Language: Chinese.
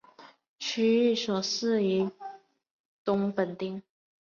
区役所设于东本町。